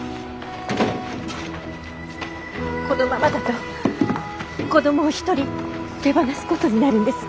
このままだと子供を一人手放すことになるんです。